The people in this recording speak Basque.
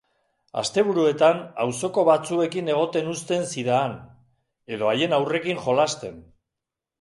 Asteburuetan, auzoko batzuekin egoten uzten zidaan, edo haien haurrekin jolasten.